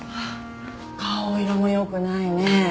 顔色も良くないね。